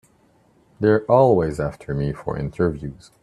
They're always after me for interviews.